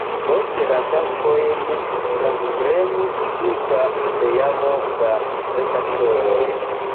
Poste, la taskojn transprenis tuta teamo da redaktoroj.